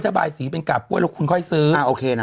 บายสีเป็นกาบกล้วยแล้วคุณค่อยซื้ออ่าโอเคนะ